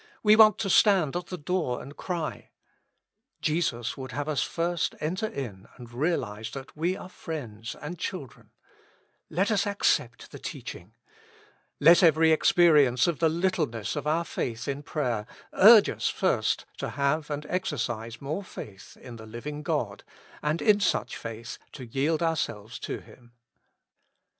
We want to stand at the door and cry : Jesus would have us first enter in and real ize that we are friends and children. Let us accept 93 With Christ in the School of Prayer. the teaching. Let every experience of the littleness of our faith in prayer urge us first to have and exer cise more faith in the Hving God, and in such faith to yield ourselves to Him.